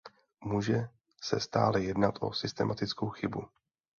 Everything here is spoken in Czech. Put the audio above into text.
Může se stále jednat o systematickou chybu.